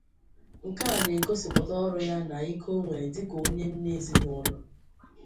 Nke a na-egosiputa ọrụ ya na ike o nwere dika onye nne n’ezinaụlọ